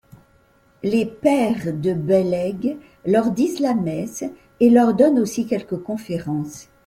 Les Pères de Bellaigue leur disent la messe, et leur donnent aussi quelques conférences.